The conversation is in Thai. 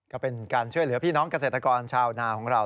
ก็เป็นการช่วยเหลือพี่น้องเกษตรกรชาวนาของเรา